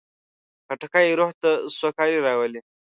خټکی روح ته سوکالي راولي.